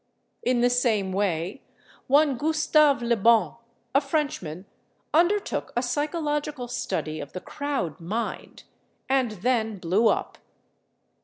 In the same way one Gustav le Bon, a Frenchman, undertook a psychological study of the crowd mind—and then blew up.